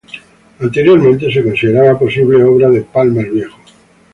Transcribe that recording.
Anteriormente se consideraba posible obra de Palma el Viejo.